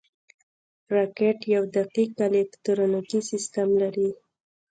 راکټ یو دقیق الکترونیکي سیستم لري